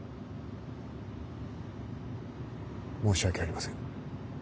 申し訳ありません。